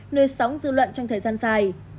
nơi sống dư luận trong thời gian dài